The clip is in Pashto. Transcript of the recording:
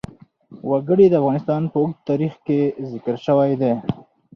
وګړي د افغانستان په اوږده تاریخ کې ذکر شوی دی.